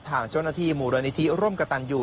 ทางช่วงนาธิหมู่รณิธิร่มกับตันอยู่